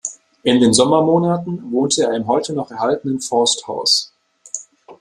In den Sommermonaten wohnte er im heute noch erhaltenen Forsthaus.